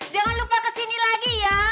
jangan lupa kesini lagi ya